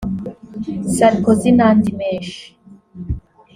"Sarkozy" n’andi menshi